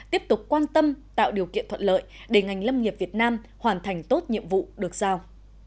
tiếp tục quan tâm tạo điều kiện thuận lợi để ngành lâm nghiệp việt nam hoàn thành tốt nhiệm vụ được giao